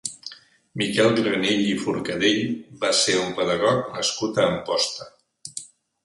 Miquel Granell i Forcadell va ser un pedagog nascut a Amposta.